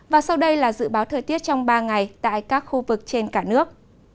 và sau đây là dự báo thời tiết trong ba ngày tại các khu vực trên cả nước